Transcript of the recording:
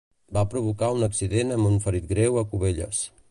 Va provocar un accident amb un ferit greu a Cubelles.